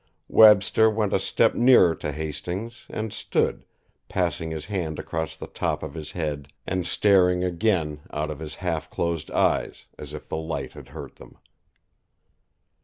Webster went a step nearer to Hastings, and stood, passing his hand across the top of his head and staring again out of his half closed eyes, as if the light had hurt them.